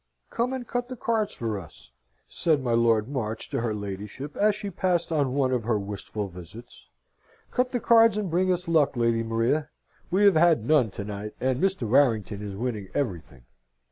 "Come and cut the cards for us," said my Lord March to her ladyship as she passed on one of her wistful visits. "Cut the cards and bring us luck, Lady Maria! We have had none to night, and Mr. Warrington is winning everything."